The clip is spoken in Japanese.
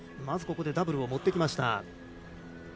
まずここでダブルを持ってきました。